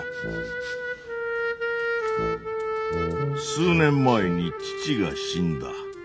数年前に父が死んだ。